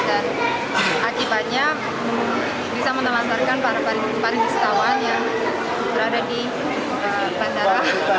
dan akibatnya bisa menelansarkan para pemerintah wisatawan yang berada di bandara